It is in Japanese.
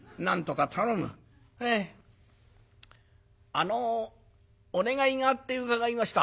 あのお願いがあって伺いました」。